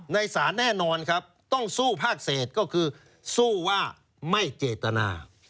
ในศาลแน่นอนครับต้องสู้ภาคเศษก็คือสู้ว่าไม่เจตนา